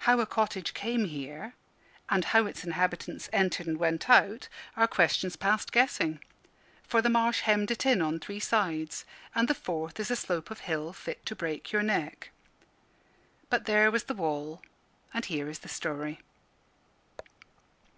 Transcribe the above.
How a cottage came here, and how its inhabitants entered and went out, are questions past guessing; for the marsh hemmed it in on three sides, and the fourth is a slope of hill fit to break your neck. But there was the wall, and here is the story.